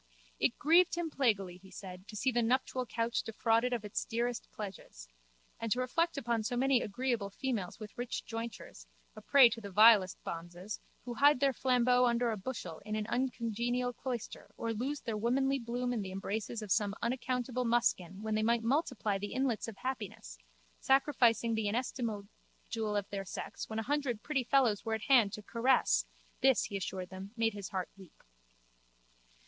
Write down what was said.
It grieved him plaguily, he said, to see the nuptial couch defrauded of its dearest pledges: and to reflect upon so many agreeable females with rich jointures, a prey to the vilest bonzes, who hide their flambeau under a bushel in an uncongenial cloister or lose their womanly bloom in the embraces of some unaccountable muskin when they might multiply the inlets of happiness, sacrificing the inestimable jewel of their sex when a hundred pretty fellows were at hand to caress, this, he assured them, made his heart weep.